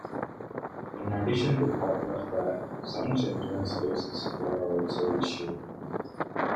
In addition to popular fare, some children's discs were also issued.